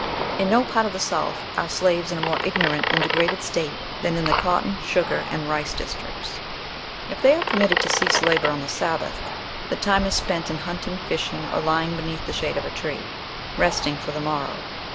In no part of the South are slaves in a more ignorant and degraded state than in the cotton, sugar, and rice districts. If they are permitted to cease labour on the Sabbath, the time is spent in hunting, fishing, or lying beneath the shade of a tree, resting for the morrow.